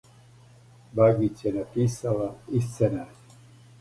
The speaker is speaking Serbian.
Багић је написала и сценарио.